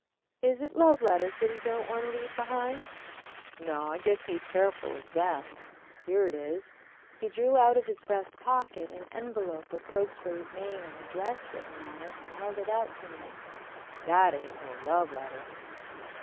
"Is it love letters that he don't want to leave behind?" "No, I guess he's careful of them. Here it is," he drew out of his breast pocket an envelope with Cokesbury's name and address written on it and held it out to me. "That ain't no love letter."